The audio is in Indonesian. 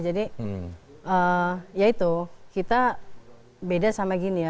jadi ya itu kita beda sama gini ya